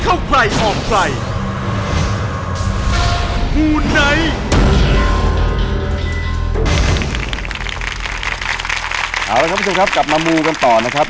เอาละครับคุณผู้ชมครับกลับมามูกันต่อนะครับ